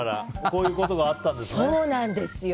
こういうことがあったんですね。